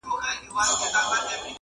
نیکه جانه د جانان غمو خراب کړم٫